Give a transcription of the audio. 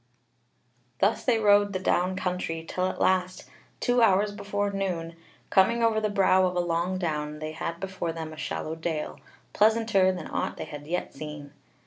Thus they rode the down country, till at last, two hours before noon, coming over the brow of a long down, they had before them a shallow dale, pleasanter than aught they had yet seen.